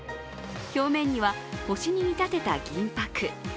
表面には、星に見立てた銀ぱく。